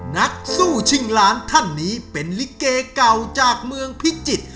นักสู้ชิงล้านท่านนี้เป็นลิเกเก่าจากเมืองพิจิตร